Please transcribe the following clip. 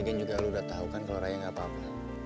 lagi juga lo udah tau kan kalau raya gak apa apa